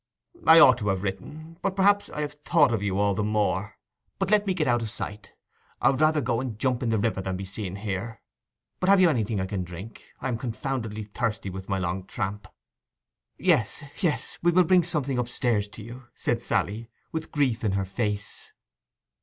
'I ought to have written; but perhaps I have thought of you all the more. But let me get out of sight. I would rather go and jump into the river than be seen here. But have you anything I can drink? I am confoundedly thirsty with my long tramp.' 'Yes, yes, we will bring something upstairs to you,' said Sally, with grief in her face.